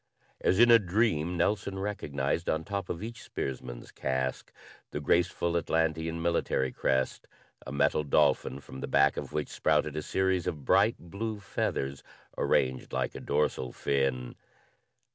As in a dream, Nelson recognized on top of each spearsman's casque the graceful Atlantean military crest a metal dolphin from the back of which sprouted a series of bright blue feathers, arranged like a dorsal fin.